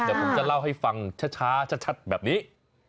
เดี๋ยวผมจะเล่าให้ฟังช้าชัดแบบนี้